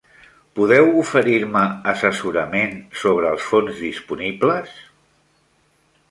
Podeu oferir-me assessorament sobre els fons disponibles?